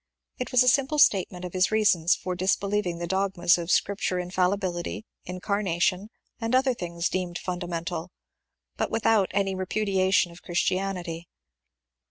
It was a simple statement of his reasons for disbelieving the dogmas of Scripture inMlibility, incarnation, and other things deemed fundamental, but without any repu diation of Christianity.